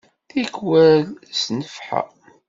Tikwal s nnefḥa!